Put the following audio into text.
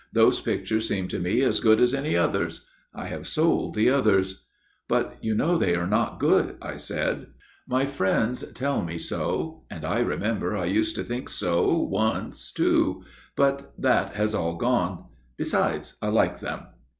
Those pictures seem to me as good as any others. I have sold the others.' "' But you know they are not good,' I said. * My friends tell me so, and I remember I used to think so once too. But that has all gone. Besides, I like them.'